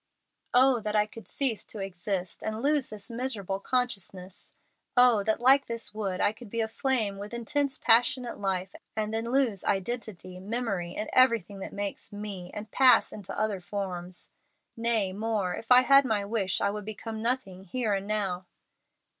"Oh that I could cease to exist, and lose this miserable consciousness! Oh that, like this wood, I could be aflame with intense, passionate life, and then lose identity, memory, and everything that makes me, and pass into other forms. Nay, more, if I had my wish, I would become nothing here and now."